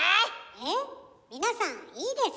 えっ皆さんいいですか？